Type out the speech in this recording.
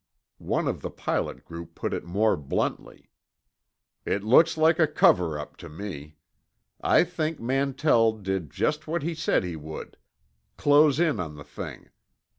One of the pilot group put it more bluntly. "It looks like a cover up to me. I think Mantell did just what he said he would—close in on the thing.